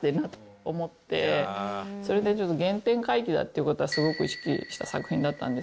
それで原点回帰だっていう事はすごく意識した作品だったんですね。